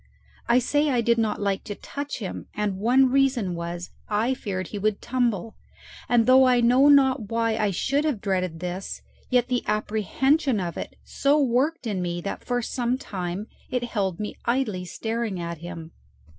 I say I did not like to touch him, and one reason was I feared he would tumble; and though I know not why I should have dreaded this, yet the apprehension of it so worked in me that for some time it held me idly staring at him.